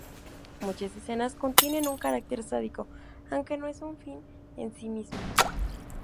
Muchas escenas contienen un carácter sádico aunque no es un fin en sí mismo.